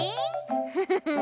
フフフッ。